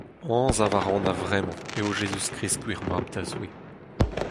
Anzav a ran a-vremañ eo Jezuz-Krist gwir mab da Zoue.